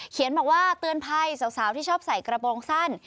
บอกว่าเตือนภัยสาวที่ชอบใส่กระโปรงสั้น